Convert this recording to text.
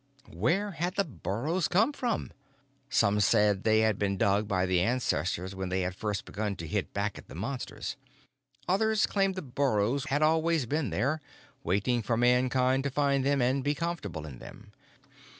Where had the burrows come from? Some said they had been dug by the ancestors when they had first begun to hit back at the Monsters. Others claimed the burrows had always been there, waiting for Mankind to find them and be comfortable in them.